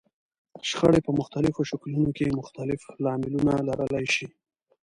شخړې په مختلفو شکلونو کې مختلف لاملونه لرلای شي.